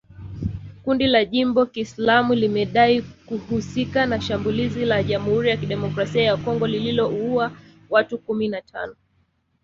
Kundi la Jimbo Kiislamu limedai kuhusika na shambulizi la Jamhuri ya Kidemokrasia ya Kongo lililouwa watu kumi na tano